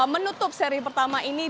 menutup seri pertama ini